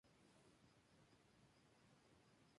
House aún guarda la caja que utilizaba de niño en Egipto.